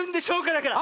だから！